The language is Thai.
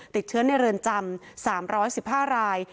ติดเชื้อในเรือนจำ๓๑๕ราย